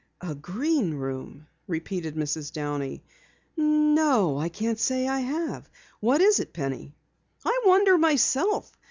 "A Green Room?" repeated Mrs. Downey. "No, I can't say I have. What is it, Penny?" "I wonder myself.